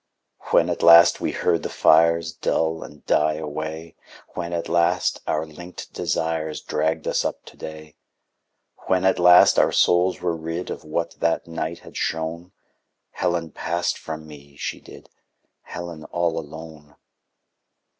When, at last, we heard the Fires Dull and die away, When, at last, our linked desires Dragged us up to day, When, at last, our souls were rid Of what that Night had shown, Helen passed from me, she did, Helen all alone!